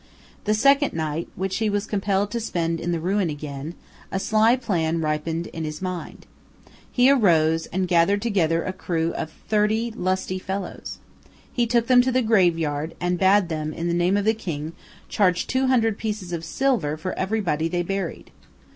The second night, which he was compelled to spend in the ruin again, a sly plan ripened in his mind. He arose and gathered together a crew of thirty lusty fellows. He took them to the graveyard, and bade them, in the name of the king, charge two hundred pieces of silver for every body they buried.